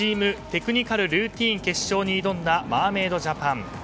テクニカルルーティン決勝に挑んだマーメイドジャパン。